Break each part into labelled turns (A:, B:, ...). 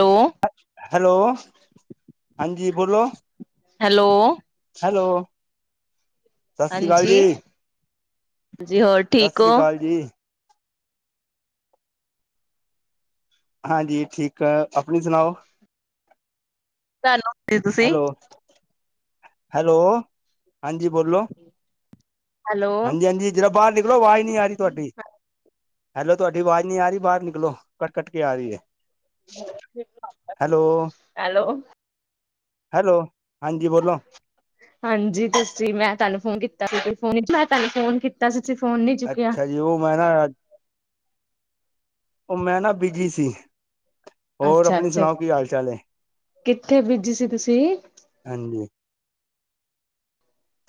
A: Hello!
B: Hello, ਹਾਂਜੀ ਬੋਲੋ!
A: Hello!
B: Hello! ਸਤਿ ਸ੍ਰੀ ਅਕਾਲ
A: ਹਾਂਜੀ, ਹਾਂਜੀ ਹੋਰ ਠੀਕ
B: ਸਸਿਰੀ
A: ਹੋ?
B: ਕਾਲ ਜੀ। ਹਾਂਜੀ ਠੀਕ, ਆਪਣੀ ਸੁਣਾਓ।
A: ਤੁਹਾਨੂੰ ਤੁਸੀਂ
B: ਹੈਲੋ, ਹੈਲੋ ਹਾਂਜੀ ਬੋਲੋ।
A: ਹੈਲੋ
B: ਹਾਂਜੀ, ਹਾਂਜੀ ਜਰਾ ਬਾਹਰ ਨਿਕਲੋ ਆਵਾਜ਼ ਨਹੀਂ ਆ ਰਹੀ ਤੋਹਾਡੀ। ਹੈਲੋ ਤੁਹਾਡੀ ਆਵਾਜ਼ ਨੀ ਆ ਰਹੀ ਬਾਹਰ ਨਿਕਲੋ, ਕੱਟ- ਕੱਟ ਕੇ ਆ ਰਹੀ ਐ। ਹੈਲੋ!
A: ਹੈਲੋ
B: ਹੈਲੋ, ਹਾਂਜੀ ਬੋਲੋ!
A: ਹਾਂਜੀ, ਤੁਸੀਂ ਮੈਂ ਤੁਹਾਨੂੰ ਫੋਨ ਕੀਤਾ ਸੀ ਫੋ ਮੈਂ ਤੁਹਾਨੂੰ ਫੋਨ ਕੀਤਾ ਸੀ, ਫੋਨ ਨੀ ਚੁੱਕਿਆ।
B: ਅੱਛਾ ਜੀ ਮੈਂ ਨਾ ਅ ਉਹ ਮੈਂ ਨਾ ਬਿਜੀ ਸੀ, ਹੋਰ
A: ਅੱਛਾ,
B: ਆਪਣੀ
A: ਅੱਛਾ
B: ਸੁਣਾਓ ਕੀ ਹਾਲ- ਚਾਲ ਏ।
A: ਕਿੱਥੇ ਬੀਜੀ ਸੀ ਤੁਸੀਂ?
B: ਹਾਂਜੀ।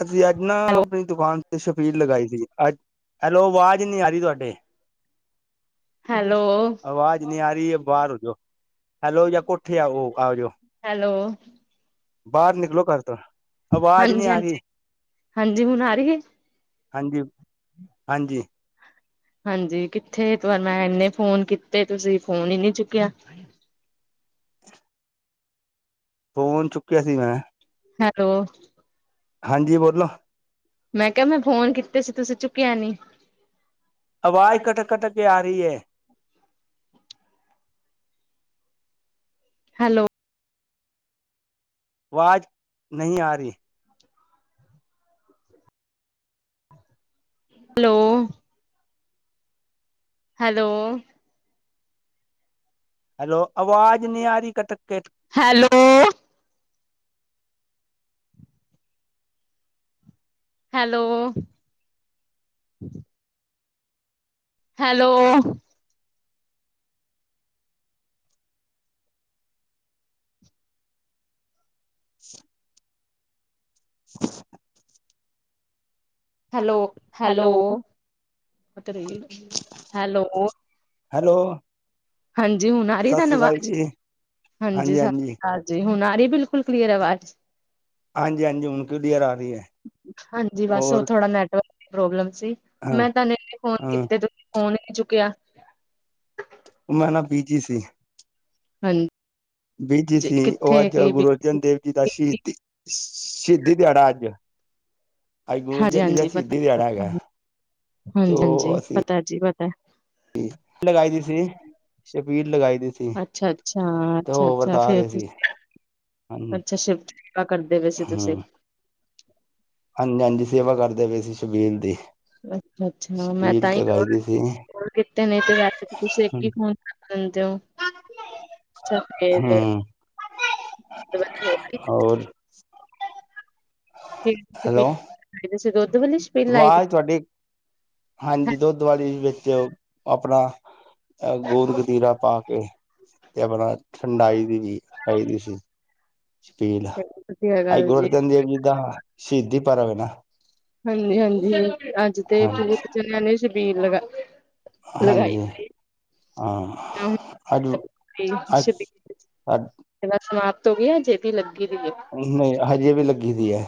B: ਅਸੀਂ ਅੱਜ ਨਾ
A: ਹੈਲੋ,
B: ਆਪਣੀ ਦੁਕਾਨ ਤੇ ਸ਼ਫੀਲ ਲਗਾਈ ਸੀ। ਅਜ 'ਹੈਲੋ ਆਵਾਜ਼ ਨੀ ਆ ਰਹੀ ਤੁਹਾਡੀ [unintelligible]
A: ਹੈਲੋ!
B: ਆਵਾਜ਼ ਨੀ ਆ ਰਹੀ ਐ ਬਾਹਰ ਹੋ ਜਾਓ, ਹੈਲੋ ਜਾਂ ਕੋਠੇ ਆਓ, ਆ ਜਾਓ।
A: ਹੈਲੋ!
B: ਬਾਹਰ, ਨਿਕਲੋ ਘਰ ਤੋਂ ਆਵਾਜ਼ ਨਹੀਂ
A: ਹਾਂਜੀ,
B: ਆ ਰਹੀ
A: ਹਾਂਜੀ-ਹਾਂਜੀ, ਹੁਣ ਆ ਰਹੀ ਏ।
B: ਹਾਂਜੀ-ਹਾਂਜੀ।
A: ਹਾਂਜੀ, ਕਿੱਥੇ ਤਾਂ ਨੂੰ ਮੈ ਇਨੇ ਫੋਨ ਕੀਤੇ ਤੁਸੀਂ ਫੋਨ ਹੀ ਨਹੀਂ ਚੁੱਕਿਆ।
B: ਫੋਨ ਚੁੱਕਿਆ ਸੀ। ਮੈਂ
A: ਹੈਲੋ।
B: ਹਾਂਜੀ, ਬੋਲੋ?
A: ਮੈਂ ਕਿਹਾ, ਮੈਂ ਫੋਨ ਕੀਤੇ ਸੀ, ਤੁਸੀਂ ਚੁੱਕਿਆ ਨੀ।
B: ਆਵਾਜ਼ ਕੱਟਕ- ਕੱਟਕ ਕੇ ਆ ਰਹੀ ਏ।
A: ਹੈਲੋ।
B: ਆਵਾਜ਼ ਨਹੀਂ ਆ ਰਹੀ।
A: ਹੈਲੋ। ਹੈਲੋ।
B: ਹੈਲੋ, ਆਵਾਜ਼ ਨਹੀਂ ਆ ਰੀ ਕਟ ਕੇ
A: hello. Hello. Hello.
B: [unintelligible] [unintelligible]
A: Hello, hello. Hello.
B: Hello
A: ਹਾਂਜੀ, ਹੁਣ ਆ ਰਹੀ
B: ਸਤਿ ਸ੍ਰੀ
A: ਤੁਹਾਨੂੰ
B: ਅਕਾਲ
A: ਆਵਾਜ਼
B: ਜੀ
A: ਹਾਂਜੀ, ਸਤ ਸ੍ਰੀ ਅਕਾਲ। ਜੀ ਹੁਣ ਆ ਰਹੀ, ਬਿਲਕੁਲ ਕਲੀਅਰ ਆਵਾਜ਼
B: ਹਾਂਜੀ-ਹਾਂਜੀ, ਹੁਣ ਕਲੀਅਰ ਆ ਰਹੀ ਹੈ।
A: ਹਾਂਜੀ ਬਸ ਉਹ
B: ਔਰ
A: ਨੈਟਵਰਕ ਦੀ ਪ੍ਰੋਲਮ ਸੀ,
B: ਹਾਂ
A: ਮੈਂ ਤੁਹਾਨੂੰ ਇੰਨੇ ਫੋਨ
B: ਹਾਂ
A: ਕੀਤੇ ਤੁਹੀ ਫੋਨ ਹੀ ਨੀ ਚੁੱਕਿਆ।
B: ਉਹ ਮੈਂ ਨਾ ਬੀਜੀ ਸੀ।
A: ਹਾਂਜੀ।
B: ਬੀਜੀ ਸੀ। ਉਹ
A: ਕਿੱਥੇ
B: ਅੱਜ
A: ਕੀ
B: ਗੁਰੂ
A: ਬਿਜੀ ਸੀ
B: ਅਰਜਨ ਦੇਵ ਜੀ ਦਾ ਸ਼ਹੀਦੀ ਸ਼ਹੀਦੀ ਦਿਹਾੜਾ ਅੱਜ ਅੱਜ ਗੁਰੂ
A: ਹਾਂਜੀ
B: ਜੀ ਦੀ
A: ਹਾਂਜੀ
B: ਸ਼ਹੀਦੀ
A: ਪਤਾ
B: ਦਿਹਾੜਾ ਹੈਗਾ, ਤੇ ਅਸੀਂ
A: ਭਾਜੀ, ਪਤਾ ਹੈ।
B: ਲਗਾਈ ਦੀ ਸੀ, ਸ਼ਬੀਲ ਲਗਾਈ ਦੀ ਸੀ।
A: ਅੱਛਾ-ਅੱਛਾ,
B: ਤੇ ਉਹ
A: ਅੱਛਾ-ਅੱਛਾ,
B: ਵਰਤਾ
A: ਫੇਰ
B: ਰਹੇ ਸੀ ਹੂੰ
A: ਅੱਛਾ, ਸੇਵਾ ਕਰਦੇ ਵੈ ਸੀ। ਤੁਸੀ--ਂ
B: ਹਾਂਜੀ-ਹਾਂਜੀ, ਸੇਵਾ ਕਰਦੇ ਪਏ ਸੀ, ਸ਼ਬੀਲ ਦੀ।
A: ਅੱਛਾ-ਅੱਛਾ, ਮੈਂ
B: ਛਬੀਲ
A: ਤਾਂ ਹੀ
B: ਲਗਾਈ ਦੀ ਸੀ
A: ਕਹਾਂ ਕਿਤੇ ਨਹੀਂ ਤੇ ਵੈਸੇ ਤੁਸੀਂ ਇੱਕ ਹੀ ਫੋਨ ਦਿੰਦੇ ਹੋ।
B: ਹੂੰ ਹੋਰ
A: [unintelligible]
B: ਹੈਲੋ
A: [unintelligible]
B: ਆਵਾਜ਼ ਤੁਹਾਡੀ ਹਾਂਜੀ, ਦੁੱਧ ਵਾਲੀ ਵਿੱਚ ਆਪਣਾ ਗੂਦ ਗਤੀਰਾ ਪਾ ਕੇ ਤੇ ਆਪਣਾ ਠੰਡਾਈ ਦੀ ਵੀ ਖਾਈਦੀ ਸੀ। ਸ਼ਬੀਲ
A: ਵਧੀਆ
B: ਆ
A: ਗੱਲ
B: ਗੁਰੂ ਅਰਜਨ ਦੇਵ ਜੀ ਦਾ ਸ਼ਹੀਦੀ ਪਰ ਹੋਵੇ ਨਾ
A: ਹਾਂਜੀ-ਹਾਂਜੀ, ਅੱਜ ਤੇ
B: ਹਾਂਜੀ
A: ਬਹੁਤ ਜਾਣੇ ਆ ਨੇ ਸ਼ਬੀਲ ਲਗਾ ਲਗਾਈ
B: ਹਾਂਜੀ
A: ਸੀ।
B: ਹਾਂ, ਅਜ ਅੱਜ
A: [inaudible] ਅਜੇ ਵੀ ਲੱਗੀ ਹੋਈ।
B: ਨਹੀਂ, ਹਜੇ ਵੀ ਲੱਗੀ ਦੀ ਹੈ।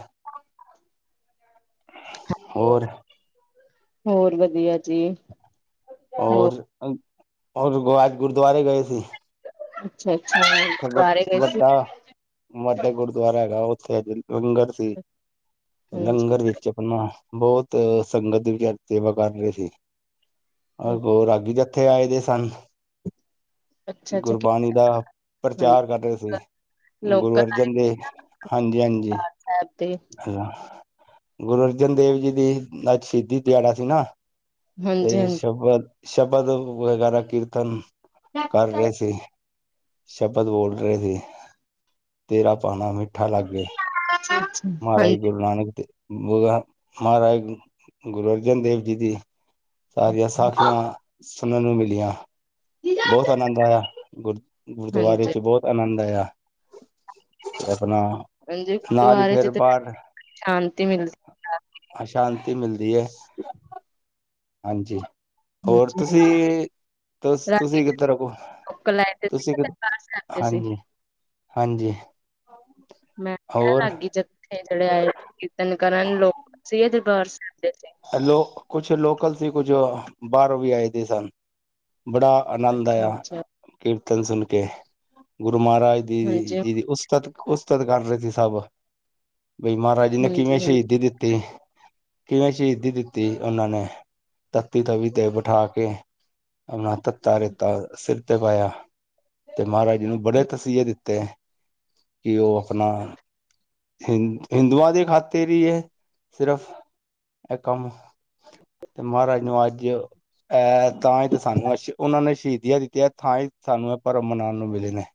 B: ਹੋਰ?
A: ਹੋਰ ਵਧੀਆ ਜੀ। ਹੋਰ
B: ਔਰ ਔਰ ਵ ਵ ਆਜ ਗੁਰਦੁਆਰੇ ਗਏ ਸੀ।
A: ਅੱਛਾ-ਅੱਛਾ ਗੁਰੂਦਆਾਰੇ ਗਏ ਸੀ।
B: ਮਾਤਾ ਗੁਰਦੁਆਰਾ ਹੈਗਾ ਓਥੇ ਅੱਜ ਲੰਗਰ ਸੀ ਤੇ
A: ਹਾਂਜੀ
B: ਲੰਗਰ
A: ਜੀ
B: ਵਿੱਚ ਓ ਨਾ ਬਹੁਤ ਸੰਗਤ ਦੀ ਵਿਚਾਰੇ ਤੇਵਾ ਕਰ ਰਿਆ ਸੀ। ਅ ਬੋ ਰਾਗੀ ਜੱ ਥੇ ਆਏ ਦੇ ਸਨ,
A: ਅੱਛਾ ਅੱਛਾ
B: ਗੁਰਬਾਣੀ ਬਾਰਾ
A: ਹਾਂਜੀ
B: ਪ੍ਰਚਾਰ ਕਰ ਰੇ ਸੀ, ਗੁਰੂ
A: ਲੋਕਲ
B: ਅਰਜਨ ਦੇਵ ਹਾਂਜੀ-ਹਾਂਜੀ।
A: ਐ ਤੇ
B: ਹ ਗੁਰੂ ਅਰਜਨ ਦੇਵ ਜੀ ਦੀ ਅੱਜ ਸ਼ੀਦੀ ਦਿਆੜਾ ਸੀ ਨਾ।
A: ਹਾਂਜੀ
B: ਏਰੇ 'ਚ
A: ਹਾਂਜੀ
B: ਸ਼ਬਦ, ਸ਼ਬਦ ਵਗੈਰਾ ਕੀਰਤਨ ਕਰ
A: ਅੱਛਾ
B: ਰੇ ਸੀ। ਸ਼ਬਦ ਬੋਲ ਰੇ ਸੀ, ਤੇਰਾ ਭਾਣਾ ਮਿੱਠਾ ਲਾਗੇ।
A: [unintelligible]
B: ਮਾਹਰਾਜ ਗੁਰੂ ਨਾਨਕ ਦੇ ਵ ਦਾ ਮਾਹਰਾਜ ਗੁਰੂ ਅਰਜਨ ਦੇਵ ਜੀ ਦੀ ਸਾਰੀਆਂ ਸਾਖੀਆਂ
A: ਹਾਂਜੀ
B: ਸੁਨਨ ਨੂੰ ਮਿਲੀਆਂ। ਬਹੁਤ ਆਨੰਦ ਆਇਆ, ਗੁਰ ਗੁਰਦੁਆਰੇ
A: ਹਾਂਜੀ
B: 'ਚ ਬੋ ਤਾ ਆਨੰਦ ਆਇਆ ਆਪਨਾ
A: ਹਾਂਜੀ ਗੁਰਦੁਆਰੇ 'ਚ ਤੇ ਸ਼ਾਂਤੀ ਮਿਲ
B: ਹਾਂ, ਸ਼ਾਂਤੀ ਮਿਲਦੀ ਏ। ਹਾਂਜੀ। ਹੋਰ
A: ਹਾਂਜੀ
B: ਤੁਸੀ
A: ਹਾਂਜੀ
B: ਤੁਸ
A: ਰਾਗੀ
B: ਤੁਸੀ ਕਿੱਧਰ ਰਕੋ,
A: ਲੋਕਲ ਆਏ ਤੇ ਸੀ
B: ਤੁਸੀਂ
A: ਤੇ
B: ਕਿਧ,
A: ਦਰਬਾਰ ਸਾਹਿਬ ਤੇ ਸੀ
B: ਹਾਂਜੀ। ਹਾਂਜੀ।
A: ਮੈਂ ਕਿਆ
B: ਹੋਰ
A: ਰਾਗੀ ਜੱਥੇ ਜੜੇ ਆਏ ਕੀਰਤਨ ਲ ਕਰਨ ਲੋਕ ਸੀ ਏ ਦਰਬਾਰ ਸੈ ਦੇ ਏੱਥੇ।
B: ਹਾਂ ਲੋ, ਕੁਛ ਲੋਕਲ ਸੀ ਕੁਝ ਅ ਬਾਰੋਂ ਵੀ ਆਏ ਦੇ ਸਨ। ਬੜਾ ਆਨੰਦ
A: ਅੱਛਾ
B: ਆਇਆ
A: ਅੱਛਾ
B: ਕੀਰਤਨ ਸੁਨ ਕੇ, ਗੁਰੂ ਮਹਾਰਾਜ ਦੀ
A: ਹਾਂਜੀ
B: ਜਿਦੀ ਉਸ ਤਤ, ਉਸਤਤ ਕਰ ਰੇ ਸੀ ਸਭ, ਬਈ ਮਾਹਰਾਜ ਜੀ ਨੇ ਕਿਵੇਂ
A: ਹਾਂਜੀ ਹਾਂਜੀ
B: ਸ਼ਹੀਦੀ ਦਿੱਤੀ। ਕਿਵੇਂ ਚਈਦੀ ਦਿੱਤੀ ਓਨਾਂ ਨੇ ਤੱਤੀ ਤਵੀ ਤੇ ਬਿਠਾ ਕੇ ਓਨਾਂ ਤੱਤਾ ਰੇਤਾ ਸਿਰ ਤੇ ਪਾਇਆ ਤੇ ਮਾਹਰਾਜ ਜੀ ਨੂੰ ਬੜੇ ਤਸੀਏ ਦਿੱਤੇ ਕਿ ਓ ਆਪਨਾ ਹਿੰ ਹਿੰਦੂਆਂ ਦੀ ਖਾਤਿਰ ਈ ਏ ਸਿਰਫ਼ ਐ ਕੰਮ। ਤੇ ਮਾਹਰਾਜ ਨੂੰ ਅੱਜ ਐ ਤਾਂ ਈ ਤੇ ਸਾਨੂੰ ਅੱਸ਼ ਓਨਾਂ ਨੇ ਸ਼ਹੀਦੀਆਂ ਦਿੱਤੀਆਂ ਥਾਂਈ ਸਾਨੂੰ ਐ ਪਰਬ ਮਨਾਨ ਨੂੰ ਮਿਲੇ ਨੇ।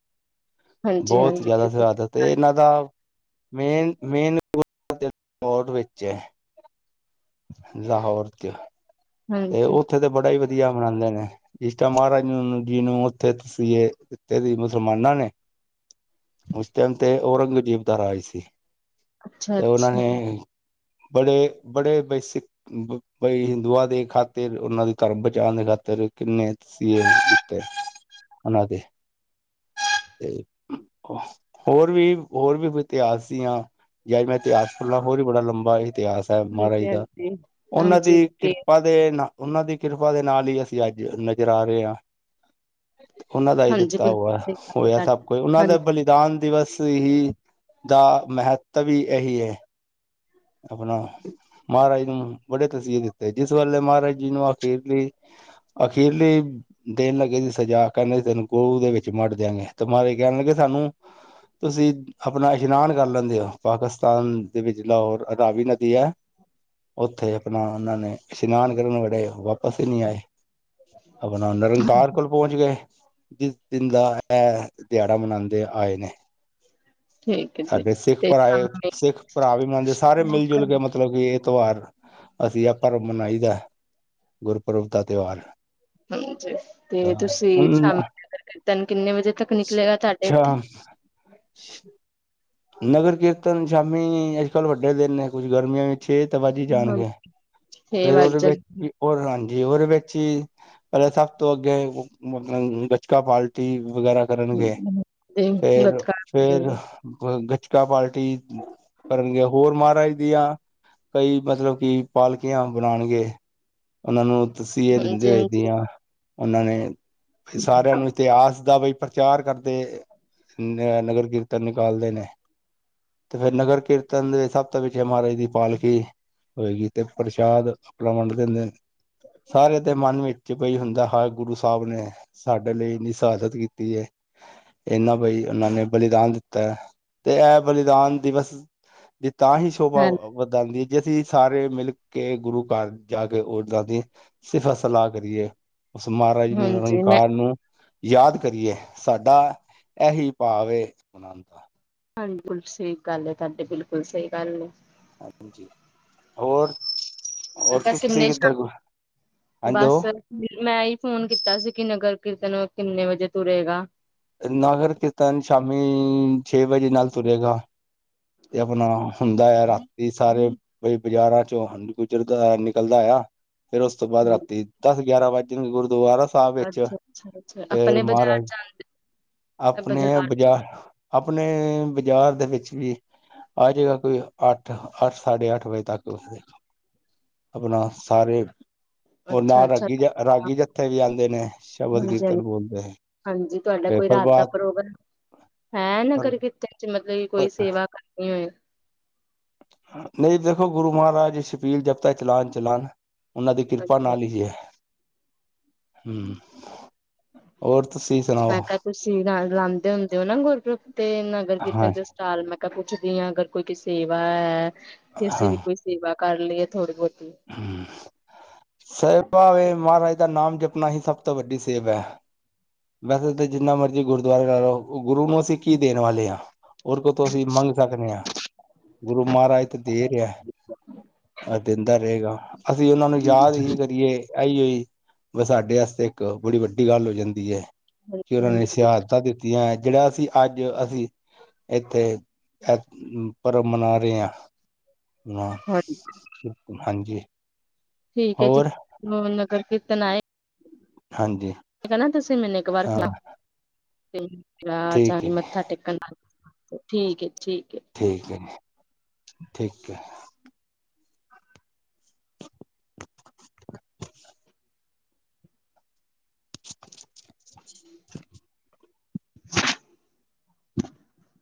A: ਹਾਂਜੀ
B: ਬੋਤ ਈ
A: ਹਾਂਜੀ
B: ਜਿਆਦਾ
A: ਬਿਲਕੁਲ
B: ਸਦਾਦਤ ਏ। ਏਨਾਂ ਦਾ ਮੇਨ, ਮੇਨ [unintelligible] ਵਿੱਚ ਐ। ਲਾਹੌਰ ਤੇ ਆ ਤੇ
A: ਹਾਂਜੀ
B: ਓਥੇ ਤੇ ਬੜਾ ਈ ਵਧੀਆ ਮਨਾਂਦੇ ਨੇ। ਜਿਸ ਟੈਮ ਮਾਹਰਾਜ ਨੀਂਨੂੰ ਜੀ ਨੂੰ ਓਥੇ ਤਸੀਏ ਦਿੱਤੇ ਸੀ ਮੁਸਲਮਾਨਾਂ ਨੇ, ਉਸ ਟੈਮ ਤੇ ਔਰੰਗ ਦੇ ਜੇਬ ਦਾ ਰਾਜ ਸੀ।
A: ਅੱਛਾ
B: ਤੇ ਓਨਾਂ
A: ਅੱਛਾ
B: ਨੇ ਬੜੇ, ਬੜੇ ਬਈ ਸਿੱਖ ਬ ਬਈ ਹਿੰਦੂਆਂ ਦੇ ਖਾਤਿਰ ਓਨਾਂ ਦੇ ਧਰਮ ਬਚਾਨ ਦੇ ਖਾਤਰ ਕਿੰਨੇ ਤਸੀਏ ਤੇ ਓਨਾਂ ਦੇ ਤੇ ਹੋਰ ਵੀ, ਹੋਰ ਵੀ ਬ ਇਤਿਹਾਸ ਦੀਆਂ ਜੱਦ ਮੈਂ ਇਤਿਹਾਸ ਖੁੱਲਾਂ ਹੋਰ ਵੀ ਬੜਾ ਲੰਬਾ ਇਤਿਹਾਸ ਐ ਮਾਹਰਾਜ ਜੀ
A: ਹਾਂਜੀ
B: ਦਾ।
A: ਹਾਂਜੀ
B: ਓਨਾਂ
A: ਹਾਂਜੀ
B: ਦੀ ਕਿਰ
A: ਤੇ
B: ਅਦੇ ਨਾਲ, ਉਹਨਾਂ ਦੀ ਕਿਰਪਾ ਦੇ ਨਾਲ ਈ ਅਸੀਂ ਅੱਜ ਨਜ਼ਰ ਆ ਰਏ ਆਂ। ਓਹਨਾਂ ਦਾ ਈ
A: ਹਾਂਜੀ
B: ਦਿੱਤਾ
A: ਬਿਲਕੁਲ
B: ਹੋਵੈ
A: ਸਹੀ ਗੱਲ
B: ਹੋਇਆ
A: ਹੈ
B: ਸਭ
A: ਤੁਹਾਡੀ
B: ਕੁਝ ਓਹਨਾਂ ਦਾ
A: ਹਾਂਜੀ
B: ਬਲੀ ਦਾਨ ਦਿਵਸ ਹੀ, ਦਾ ਮਹੱਤਵ ਈ ਏਹੀ ਹੈ। ਆਪਣਾ ਮਹਾਰਾਜ ਨੂੰ ਬੜੇ ਤਸੀਹੇ ਦਿੱਤੇ, ਜਿਸ ਵੇਲੇ ਮਹਾਰਾਜ ਜੀ ਨੂੰ ਅਖੀਰ ਲੀ ਅਖੀਰਲੀ ਦੇਣ ਲੱਗੇ ਸੀ ਸਜਾ, ਕੈਹੰਦੇ ਸੀ ਤੈਨੂੰ ਗੋ ਦੇ ਵਿੱਚ ਮੜ ਦੇਆਂਗੇ, ਤੇ ਮਹਾਰਾਜ ਜੀ ਕੈਹਣ ਲੱਗੇ ਸਾਨੂੰ ਤੁਸੀਂ ਆਪਣਾ ਇਸ਼ਨਾਨ ਕਰ ਲੈਂਦੇ ਓ, ਪਾਕਿਸਤਾਨ ਦੇ ਵਿੱਚ ਲਾਹੋਰ ਰਾਵੀ ਨਦੀ ਐ। ਓੱਥੇ ਆਪਣਾ ਉਹਨਾਂ ਨੇ ਇਸ਼ਨਾਨ ਕਰਨ ਵਵੇ ਵਾਪਿਸ ਈ ਨੀ ਆਏ, ਆਪਣਾ ਨਿਰੰਤਾਰ ਕੋਲ ਪਹੁੰਚ ਗਏ। ਜਿਸ ਦਿਨ ਦਾ ਐਹ ਦੇਹਾੜਾ ਮਨਾਂਦੇ ਆਏ ਨੇ।
A: ਠੀਕ ਹੈ ਜੀ
B: ਸਾਡੇ ਸਿੱਖ
A: ਤੇ
B: ਭਰਾਏ
A: ਸ਼ਾਮੀ
B: ਸਿੱਖ ਭਰਾ ਵੀ ਮਨਾਦੇ, ਸਾਰੇ ਮਿਲ ਜੁਲ ਕੇ ਮਤ ਮਤਲਬ ਕਿ ਏਹ ਤਿਉਹਾਰ ਅਸੀਂ ਆ ਪਰਵ ਮਨਾਈ ਦਾ ਗੁਰਪੁਰਬ ਦਾ ਤਿਉਹਾਰ।
A: ਹਾਂਜੀ ਤੇ ਤੁਸੀਂ
B: ਹੁਣ
A: ਨਗਰ ਕੀਰਤਨ ਕਿੰਨੇ ਵਜੇ ਤੱਕ ਨਿਕਲੇਗਾ ਤਹਾਡੇ ਇੱਥੇ?
B: ਅੱ ਨਗਰ ਕੀਰਤਨ ਸ਼ਾਮੀ ਅੱਜ-ਕਲ ਵੱਡੇ ਦਿਨ ਨੇ ਕੁੱਝ ਗਰਮੀਆਂ ਛੇ ਤਾਂ ਵਜ ਈ
A: ਹਾਂ
B: ਜਾਣਗੇ,
A: ਛੇ
B: ਫੇਰ
A: ਵੱਜ
B: ਓਹਦੇ ਵਿੱਚ
A: ਜਾਂਦੇ
B: ਵੀ ਓਹ ਹਾਂਜੀ ਓਦੇ ਵੇਚ ਈ ਪਹਿਲੇ ਸਭ ਤੋਂ ਅੱਗੇ ਮਤਲਬ ਗੱਤਕਾ ਪਾਲਟੀ ਵਗੈਰਾ। ਕਰਨਗੇ
A: ਗੱਤਕਾ
B: ਫੇਰ-ਫੇਰ
A: ਹਾਂਜੀ
B: ਗੱਤਕਾ ਪਾਰਟੀ। ਕਰਨ ਗੇ ਹੋਰ ਮਹਾਰਾਜ ਦੀਆਂ, ਕਈ ਮਤਲਬ ਕਿ ਪਾਲਕੀਆਂ ਬਣਾਣਗੇ। ਓਹਨਾਂ ਨੂੰ ਤਸੀਹੇ ਦਿੰਦੇ
A: ਹਾਂਜੀ
B: ਹੋਏ ਦੀਆਂ, ਓਹਨਾਂ ਨੇ ਸਾਰਿਆਂ ਨੂੰ ਇਤਿਹਾਸ ਦਾ ਬਇ ਪ੍ਰਚਾਰ ਕਰਦੇ ਨ ਨਗਰ ਕੀਰਤਨ ਨਿਕਾਲਦੇ ਨੇ। ਤੇ ਫੇਰ ਨਗਰ ਕੀਰਤਨ ਦੇ ਸਭ ਤੋ ਪਿੱਛੇ ਮਹਾਰਾਜ ਦੀ ਪਾਲਕੀ। ਹੋਏਗੀ ਤੇ, ਪ੍ਰਸ਼ਾਦ ਆਪਣਾ ਵੰਡ ਦੇਂਦੇ ਨ। ਸਾਰੇਆਂ ਦੇ ਮਨ ਵਿੱਚ ਕੋਈ ਹੁੰਦੈ ਹਰ ਗੁਰੂ ਸਾਹਿਬ ਨੇ। ਸਾਡੇ ਲਈ ਇੰਨੀ ਸ਼ਹਾਦਤ ਕੀਤੀ ਐ, ਐਨਾਂ ਬਈ ਓਹਨਾਂ ਨੇ ਬਲੀਦਾਨ। ਤੇ-ਤੇ ਐਹ ਬਲੀਦਾਨ ਦਿਵਸ ਜੇ ਤਾਂ ਹੀ ਸ਼ੋਭਾ
A: ਹਾਂ
B: ਵਧਾਂਦੀ ਜੇ ਅਸੀਂ ਸਾਰੇ ਮਿਲ ਕਿ ਗੁਰੂ ਘਰ ਜਾ ਕੇ ਓਂਦਾ ਦੀ ਸਿਫਤ-ਸਲਾਹ ਕਰੀਏ। ਉਸ ਮਹਾਰਾਜ ਨੂੰ,
A: ਹਾਂਜੀ ਮੈਂ
B: ਨਿਰੰਕਾਰ ਨੂੰ। ਯਾਦ ਕਰੀਏ ਸਾਡਾ, ਏਹੀ ਭਾਵ ਏ।
A: ਹਾਂਜੀ ਬਿਕੁਲ ਸਈ ਗੱਲ ਏ, ਤੁਹਾਡੇ ਬਿਲਕੁਲ ਸਈ ਗੱਲ ਏ।
B: ਹਾਂਜੀ ਹੋਰ। ਹੋਰ
A: ਬਸ
B: ਤੁਸੀ
A: ਇੰਨੇ
B: ਕਿੱਦਰ ਘੁ ਹੈਡੋ।
A: ਬਸ ਮੈਂ ਈ ਫੋਨ ਕੀਤਾ ਸੀ ਕਿ ਨਗਰ ਕੀਰਤਨ ਕਿੰਨੇ ਵਜੇ ਤੁਰੇਗਾ।
B: ਨਾਗਰ ਕੀਰਤਨ ਸ਼ਾਮੀ ਛੇ ਵਜੇ ਨਾਲ ਤੁਰੇਗਾ। ਤੇ ਆਪਣਾ ਹੁੰਦੈ ਹੈ ਰਾਤੀ ਸਾਰੇ। ਬਈ ਬਾਜ਼ਾਰਾਂ ਚੋਂ ਹੰਜੀ ਗੁਜਰਦਾ ਨਿਕਲਦਾ ਐ। ਫੇਰ ਉਸ ਤੋਂ ਬਾਦ
A: ਹਮ
B: ਰਾਤੀ ਦਸ-ਗਿਆਰਾਂ ਵੱਜ ਜਾਂਣਗੇ ਗੁਰਦੁਆਾਰਾ। ਆਹ ਵਿੱਚ
A: ਅੱਛਾ ਅੱਛਾ ਅੱਛਾ
B: ਫੇਰ
A: ਆਪਣੇ ਬਾਜ਼ਾਰ
B: ਮਹਾਰਾਜ
A: ਜਾਂਦੇ
B: ਆਪਣੇ ਬਾਜ਼ਾਰ, ਆਪਣੇ ਬਾਜ਼ਾਰ ਦੇ ਵਿੱਚ ਵੀ ਆ ਜਾਏਗਾ ਕੋਈ ਅੱਠ, ਅੱਠ ਸਾਢੇ ਅੱਠ ਵਜੇ ਤੱਕ ਉਸ ਆਪਣਾ ਸਾਰੇ ਓਹ
A: ਅੱਛਾ
B: ਨਾਲ
A: ਅੱਛਾ
B: ਰਾਗੀ ਜ,
A: ਹਾਂਜੀ
B: ਰਾਗੀ ਜੱਥੇ ਵੀ ਆਂਦੇ ਨੇ ਸ਼ਬਦ
A: ਹਾਂਜੀ
B: ਕੀਰਤਨ ਬੋਲਦੇਂ।
A: ਹਾਂਜੀ ਤੁਆਡਾ ਕੋਈ ਰਾਤ ਦਾ ਪ੍ਰੋਗਰਾਮ, ਹੈ ਨਗਰ ਕੀਰਤਨ ਚ ਮਤਲਬ ਕਿ ਕੋਈ ਸੇਵਾ ਕਰਨੀ ਹੋਏ।
B: ਨਹੀਂ ਦੇਖੋ ਗੁਰੂ ਮਹਾਰਾਜ ਸ਼ਪੀਲ ਜਬ ਤੱਕ ਚਲਾਨ ਚਲਾਨਾ ਏ। ਉਹਨਾਂ ਦੀ ਕਿਰਪਾ
A: ਅੱਛਾ
B: ਨਾਲ ਹੀ ਹੈ। ਹੂ
A: ਮੈਂ ਕਿਹਾ ਤੁਸੀਂ ਲ ਲਾਉਂਦੇ ਹੁੰਦੇ ਹੋ ਨਾ ਗੁਰਪ੍ਰੁਬ ਤੇ ਨਗਰ ਕੀਰਤਨ
B: ਹਾਂ
A: ਚ'। ਨਾ ਲਾਲ ਮੈਂ ਕਿਹਾ ਪੁੱਛਦੀ ਹਾਂ ਅਗਰ ਕੋਈ ਕੋਈ ਸੇਵਾ ਹੈ ਕਿ ਅਸੀਂ ਵੀ ਕੋਈ ਸੇਵਾ ਕਰ ਲਈਏ ਥੋੜੀ- ਬਹੁਤੀ।
B: ਹੂ ਸਹਿਬਵੇ ਮਹਾਰਾਜ ਦਾ ਨਾਮ ਜਪਣਾ ਹੀ ਸਭ ਤੋਂ ਵੱਡੀ ਸੇਵਾ ਐ। ਵੈਸੇ ਜਿੰਨਾ ਮਰਜ਼ੀ ਗੁਰਦੁਆਰੇ ਲਾ ਲਓ ਗੁਰੂ ਨੂੰ ਅਸੀਂ ਕੀ ਦੇਣ ਵਾਲੇ ਆ। ਰ ਕੋਤੋਂ ਅਸੀਂ ਮੰਗ ਸਕਦੇ ਹਾਂ। ਗੁਰੂ ਮਹਾਰਾਜ ਤੇ ਦੇ ਰਿਹਾ। ਆਹ ਦਿੰਦਾ ਰਹੇਗਾ, ਅਸੀਂ ਉਹਨਾਂ ਨੂੰ ਯਾਦ ਹੀ ਕਰੀਏ। ਆਹੀ ਹੋਈ, ਬ ਸਾਡੇ ਵਾਸਤੇ ਇੱਕ ਬੜੀ ਵੱਡੀ ਗੱਲ ਹੋ ਜਾਂਦੀ ਐ। ਕਿ
A: ਹਾਂਜੀ
B: ਉਹਨਾਂ ਨੇ
A: ਹਾਂਜੀ
B: ਸ਼ਹਾਦਤਾਂ ਦਿੱਤੀਆਂ ਜਿਹੜਾ ਅਸੀਂ ਅੱਜ ਅਸੀਂ ਇੱਥੇ ਅ ਪਰਬ ਮਨਾ ਰਹੇ ਹਾਂ ਆ।
A: ਹਾਂ।
B: ਹਾਂਜੀ।
A: ਠੀਕ ਹੈ ਜੀ,
B: ਹੋਰ
A: ਨਗਰ ਕੀਰਤਨ ਆਏ।
B: ਹਾਂਜੀ।
A: ਕਹਣਾ ਤੁਸੀਂ ਮੈਨੂੰ ਇੱਕ ਵਾਰ,
B: ਹਾਂ
A: ਵਿ ਜਾ
B: ਠੀਕ
A: ਕੇ
B: ਹੈ ਜੀ
A: ਮੱਥਾ ਟੇਕਣ ਨਾਲ। ਠੀਕ ਐ, ਠੀਕ ਐ।
B: ਠੀਕ ਹੈ, ਠੀਕ ਹੈ।
A: [inaudible]